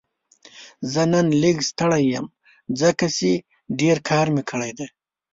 زه نن لږ ستړی یم ځکه چې ډېر کار مې کړی دی